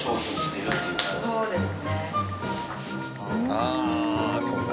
ああそっか。